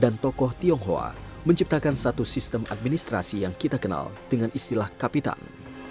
dan tokoh tionghoa menciptakan satu sistem administrasi yang kita kenal dengan istilah kapitan